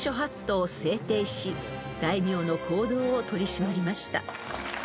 ［大名の行動を取り締まりました］